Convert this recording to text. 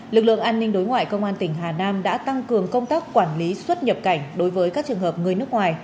lực lượng an ninh đối ngoại công an tỉnh hà nam đã tăng cường công tác quản lý xuất nhập cảnh đối với các trường hợp người nước ngoài